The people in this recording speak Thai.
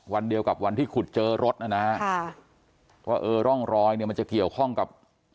วันเดียวกับวันที่ขุดเจอรถนะฮะค่ะว่าเออร่องรอยเนี่ยมันจะเกี่ยวข้องกับ